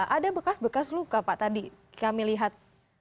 ada bekas bekas luka pak tadi kami lihat